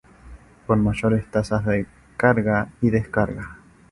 Con mayores tasas de carga y descarga.